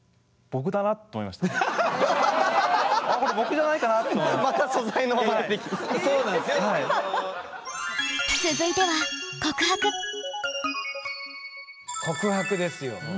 続いては告白ですよ。